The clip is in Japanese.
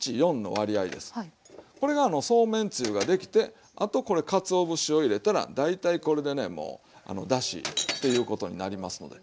これがそうめんつゆができてあとこれかつお節を入れたら大体これでねもうあのだしということになりますので。